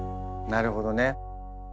なるほどね。